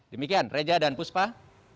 demikian reja dan puspat